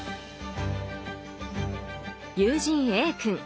友人Ａ君。